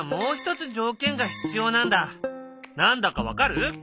何だか分かる？